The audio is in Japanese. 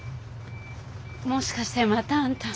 もしかしてまたあんた。